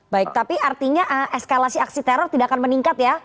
baik tapi artinya eskalasi aksi teror tidak akan meningkat ya